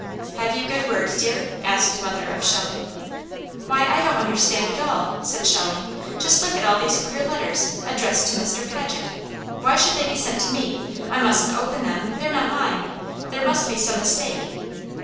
"Have you good word, dear?" asked mother of Shelley. "Why, I don't understand at all," said Shelley. "Just look at all these queer letters, addressed to Mr. Paget. Why should they be sent to me? I mustn't open them. They're not mine. There must be some mistake."